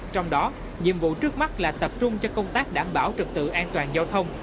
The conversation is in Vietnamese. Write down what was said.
trong đó nhiệm vụ trước mắt là tập trung cho công tác đảm bảo trực tự an toàn giao thông